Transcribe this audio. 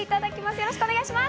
よろしくお願いします。